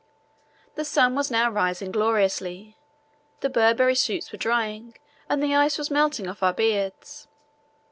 The sun was now rising gloriously. The Burberry suits were drying and the ice was melting off our beards.